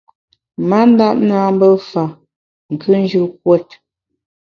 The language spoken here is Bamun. Ma ndap nâ mbe fa, nkùnjù kuot.